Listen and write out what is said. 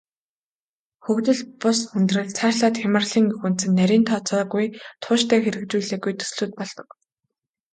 Хөгжил бус хүндрэл, цаашлаад хямралын эх үндэс нь нарийн тооцоогүй, тууштай хэрэгжүүлээгүй төслүүд болдог.